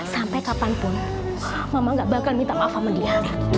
sampai kapanpun mama gak bakal minta maaf sama dia